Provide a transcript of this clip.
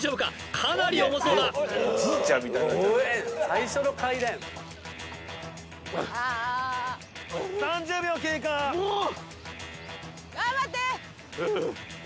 かなり重そうだ３０秒経過頑張って！